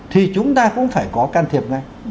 thì chúng ta cũng phải có can thiệp ngay